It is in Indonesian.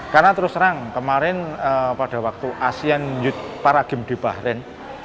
karena terus terang kemarin pada waktu asean youth paragym di bahrain